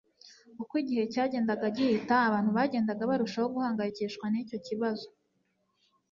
uko igihe cyagendaga gihita, abantu bagenda barushaho guhangayikishwa nicyo kibazo